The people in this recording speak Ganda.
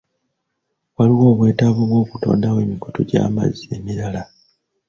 Waliwo obwetaavu bw'okutondawo emikutu gy'amazzi emirala.